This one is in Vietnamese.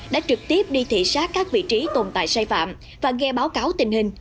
đã trực tiếp đi thị xác các vị trí tồn tại sai phạm và nghe báo cáo tình hình